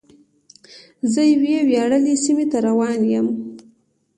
زه یوې ویاړلې سیمې ته روان یم.